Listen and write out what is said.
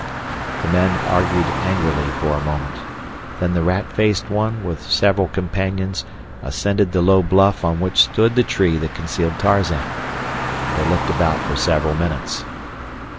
The men argued angrily for a moment. Then the rat faced one, with several companions, ascended the low bluff on which stood the tree that concealed Tarzan. They looked about for several minutes.